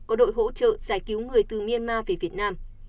có đội hỗ trợ giải cứu người từ myanmar về việt nam